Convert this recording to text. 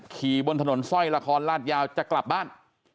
ขี่บนถนนสร้อยละครลาดยาวจะกลับบ้าน